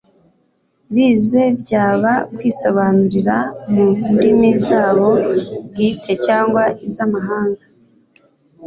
bize byaba kwisobanurira mu ndimi zabo bwite cyangwa iz'amahanga